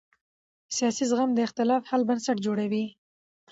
سیاسي زغم د اختلاف حل بنسټ جوړوي